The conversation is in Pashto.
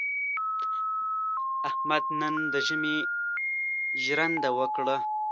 احمد نن د ژمي ژرنده وکړه.